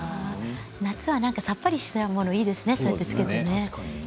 夏はさっぱりしたものにいいですね、そうやってつけてね。